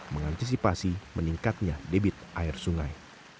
mengantisipasi meningkatnya debit air sungai